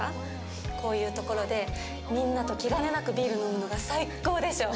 こういう所でみんなと気兼ねなくビール飲むのが最高でしょ！